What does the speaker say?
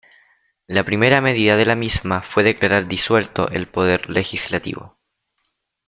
La primera medida de la misma fue declarar disuelto el poder legislativo.